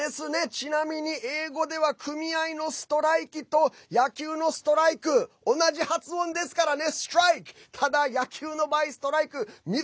ちなみに英語では組合のストライキと野球のストライク同じ発音ですからね。